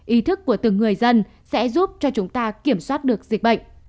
ý thức của từng người dân sẽ giúp cho chúng ta kiểm soát được dịch bệnh